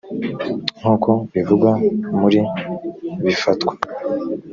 nk uko bivugwa muri bifatwa